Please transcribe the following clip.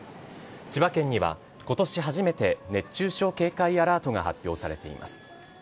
千葉県にはことし初めて熱中症警戒アラートが発表されています。